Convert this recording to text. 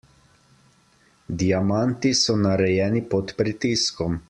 Diamanti so narejeni pod pritiskom.